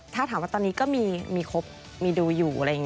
ถ้าถามว่าตอนนี้ก็มีครบมีดูอยู่